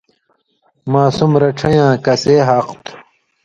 ماسُم رڇھَیں یاں کسے حاق تُھو،